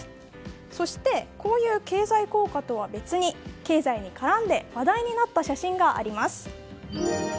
そしてこういう経済効果とは別に経済に絡んで話題になった写真があります。